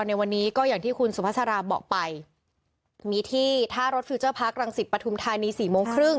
ในวันนี้ก็อย่างที่คุณสุภาษาราบอกไปมีที่ท่ารถฟื้นเจ้าพักรังศิษย์ประธุมธานีสี่โมงครึ่ง